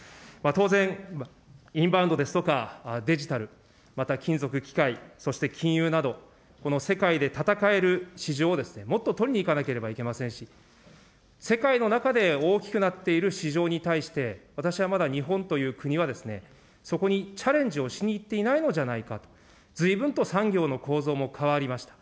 当然、インバウンドですとか、デジタル、また金属・機械、そして金融など、この世界で戦える市場を、もっと取りにいかなければいけませんし、世界の中で大きくなっている市場に対して、私はまだ日本という国はですね、そこにチャレンジをしにいっていないのじゃないか、ずいぶんと産業の構造も変わりました。